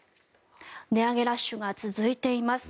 値上げラッシュが続いています。